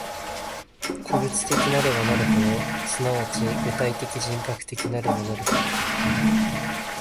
個物的なればなるほど、即ち具体的人格的なればなるほど、